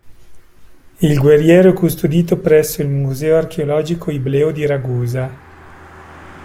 Il "Guerriero" è custodito presso il Museo archeologico ibleo di Ragusa.